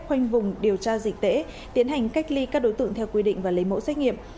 khoanh vùng điều tra dịch tễ tiến hành cách ly các đối tượng theo quy định và lấy mẫu xét nghiệm